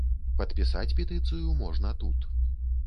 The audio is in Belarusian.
Падпісаць петыцыю можна тут.